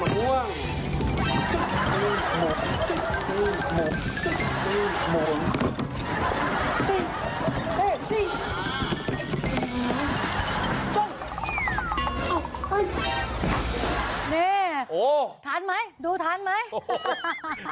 นี่ทันไหมดูทันไหม